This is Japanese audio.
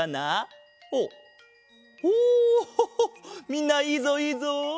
みんないいぞいいぞ！